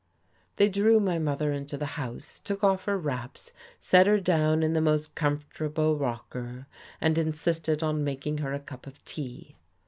They drew my mother into the house, took off her wraps, set her down in the most comfortable rocker, and insisted on making her a cup of tea.